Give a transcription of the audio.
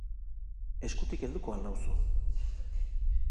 Eskutik helduko al nauzu?